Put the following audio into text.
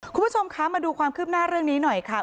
คุณผู้ชมคะมาดูความคืบหน้าเรื่องนี้หน่อยค่ะ